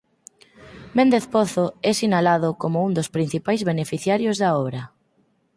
Méndez Pozo é sinalado como un dos principais beneficiarios da obra.